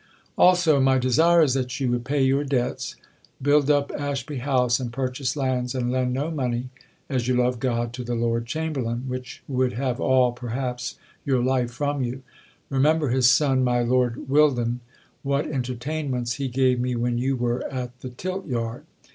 "Also, my desire is that you would pay your debts, build up Ashby House and purchase lands and lend no money (as you love God) to the Lord Chamberlain, which would have all, perhaps your life from you; remember his son, my Lord Wildan, what entertainments he gave me when you were at the Tilt yard.